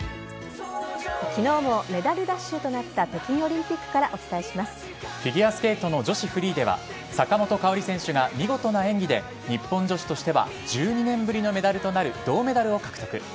昨日もメダルラッシュとなった北京オリンピックからフィギュアスケートの女子フリーでは坂本花織選手が見事な演技で日本女子としては１２年ぶりのメダルとなる銅メダルを獲得。